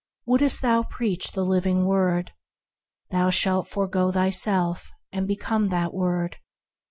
Wouldst thou preach the living Word ? Thou shalt forego thyself, and become that Word.